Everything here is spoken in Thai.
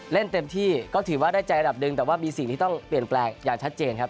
เล่นเต็มที่ก็ถือว่าได้ใจระดับหนึ่งแต่ว่ามีสิ่งที่ต้องเปลี่ยนแปลงอย่างชัดเจนครับ